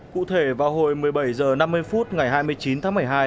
cụ thể vào hồi một mươi bảy h năm mươi phút ngày hai mươi chín tháng một mươi hai